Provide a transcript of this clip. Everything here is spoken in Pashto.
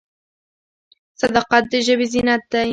صداقت د ژبې زینت دی.